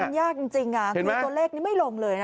มันยากจริงคือตัวเลขนี้ไม่ลงเลยนะ